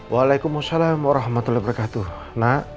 waalaikumsalam warahmatullahi wabarakatuh